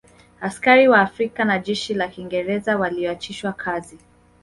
Askari Wa Afrika na jeshi la Kiingereza walioachishwa kazi